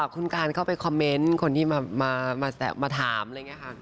คุณการเข้าไปคอมเมนต์คนที่มาถามอะไรอย่างนี้ค่ะ